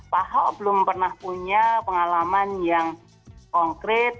pak ahok belum pernah punya pengalaman yang konkret